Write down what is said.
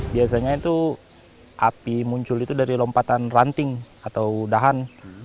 biasanya itu api muncul itu dari lompatan ranting atau dahan